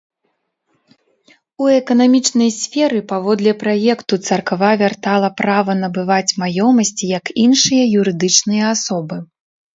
У эканамічнай сферы, паводле праекту царква вяртала права набываць маёмасці, як іншыя юрыдычныя асобы.